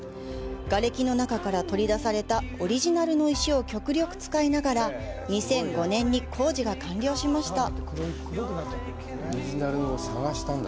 瓦れきの中から取り出されたオリジナルの石を極力使いながら、２００５年に工事が完了しました。